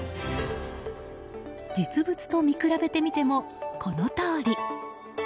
実物と見比べてみてもこのとおり。